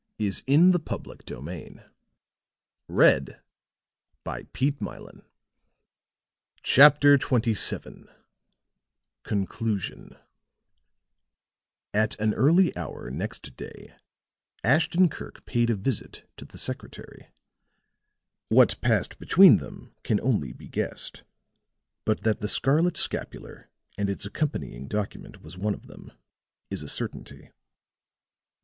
Again the secret agent nodded. "I am quite sure," he said CHAPTER XXVII CONCLUSION At an early hour next day, Ashton Kirk paid a visit to the secretary; what passed between them can only be guessed, but that the scarlet scapular and its accompanying document was one of them, is a certainty.